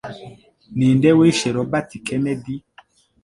Ninde Wishe Robert Kennedy?